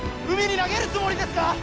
海に投げるつもりですか！？